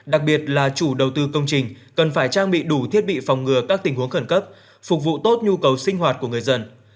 đặc biệt là chủ đầu tư công trình cần phải trang bị đủ thiết bị phòng ngừa các tình huống khẩn cấp phục vụ tốt nhu cầu sinh hoạt của người dân